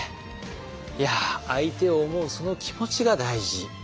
いや相手を思うその気持ちが大事。